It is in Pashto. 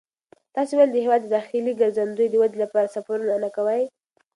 تاسې ولې د هېواد د داخلي ګرځندوی د ودې لپاره سفرونه نه کوئ؟